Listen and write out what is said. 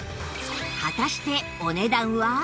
果たしてお値段は？